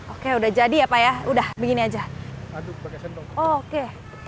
oke udah jadi apa ya udah begini aja aduk pakai sentok oke